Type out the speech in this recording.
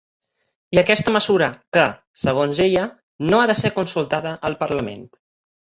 I aquesta mesura que, segons ella, no ha de ser consultada al parlament.